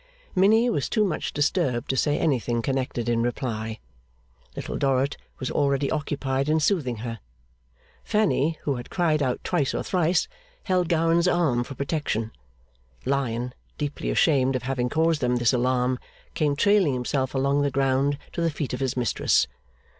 Minnie was too much disturbed to say anything connected in reply; Little Dorrit was already occupied in soothing her; Fanny, who had cried out twice or thrice, held Gowan's arm for protection; Lion, deeply ashamed of having caused them this alarm, came trailing himself along the ground to the feet of his mistress.